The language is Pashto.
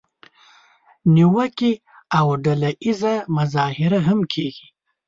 نیوکې او ډله اییزه مظاهرې هم کیږي.